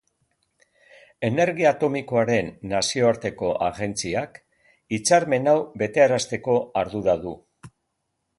Energia Atomikoaren Nazioarteko Agentziak hitzarmen hau betearazteko ardura du.